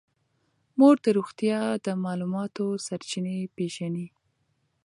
مور د روغتیا د معلوماتو سرچینې پېژني.